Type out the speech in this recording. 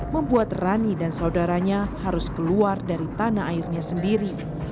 membuat rani dan saudaranya harus keluar dari tanah airnya sendiri